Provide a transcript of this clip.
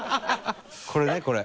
これねこれ。